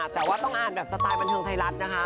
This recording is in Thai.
แต่ว่าต้องอ่านแบบสไตล์บันเทิงไทยรัฐนะคะ